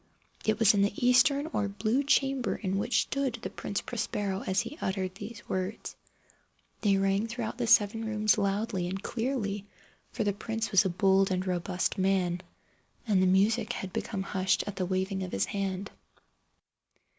It was in the eastern or blue chamber in which stood the Prince Prospero as he uttered these words. They rang throughout the seven rooms loudly and clearly, for the prince was a bold and robust man, and the music had become hushed at the waving of his hand.